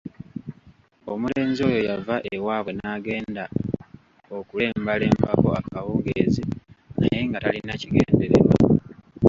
Omulenzi oyo yava ewaabwe n’agenda okulembalembako akawungeezi naye nga talina kigendererwa.